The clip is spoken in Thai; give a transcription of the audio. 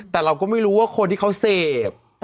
แต่เราก็ไม่รู้ว่าคนที่เขาเสพ